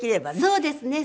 そうですね。